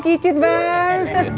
kok udah balik